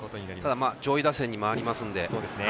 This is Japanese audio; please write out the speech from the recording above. ただ、上位打線に回りますので。